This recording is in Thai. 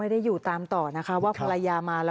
ผมไม่รู้ว่ามันจะเป็นแบบนี้แหละ